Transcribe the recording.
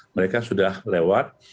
mereka sudah lewat